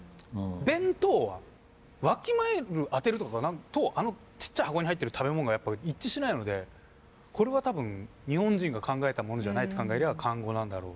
「弁当」は「弁える」「当てる」とかなるとちっちゃい箱に入ってる食べ物がやっぱ一致しないのでこれは多分日本人が考えたものじゃないって考えりゃ漢語なんだろう。